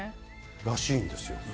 らしいんですよ。